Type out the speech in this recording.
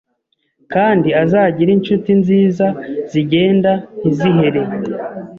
kandi azagire inshuti nziza zigenda ntizihere!”